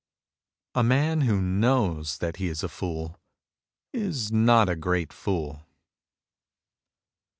A man who knows that he is a fool is not a great fool.